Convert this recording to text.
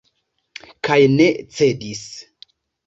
Kaj ne cedis.